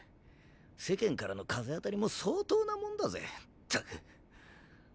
世間からの風当たりも相当なもんだぜったく。